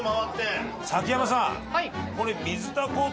先山さん。